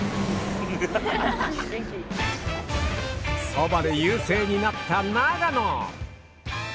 そばで優勢になった長野。